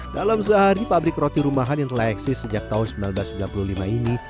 dalam sehari pabrik roti rumahan yang telah eksis sejak tahun seribu sembilan ratus sembilan puluh lima ini